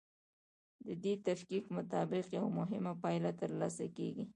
د دې تفکیک مطابق یوه مهمه پایله ترلاسه کیږي.